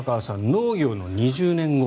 農業の２０年後。